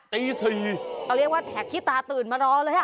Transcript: เรียกว่าแท็กคิดตาตื่นมารอเลย